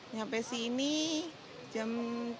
sampai sini jam tiga